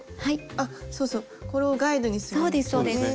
あっそうそうこれをガイドにするんですね。